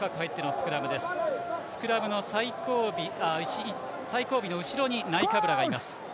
スクラムの最後尾の後ろにナイカブラがいます。